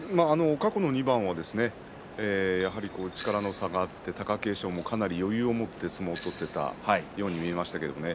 過去の２番はやはり力の差があって貴景勝もかなり余裕を持って相撲を取っていたように見えましたね。